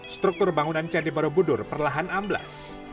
struktur bangunan candi borobudur perlahan amblas